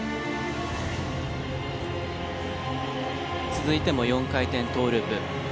続いても４回転トーループ。